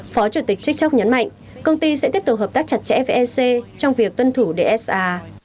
phó chủ tịch tiktok nhấn mạnh công ty sẽ tiếp tục hợp tác chặt chẽ với ec trong việc tuân thủ dsa